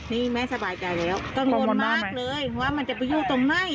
นี่แม่สบายใจแล้วกังวลมากเลยว่ามันจะไปอยู่ตรงไหน